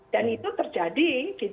dan itu terjadi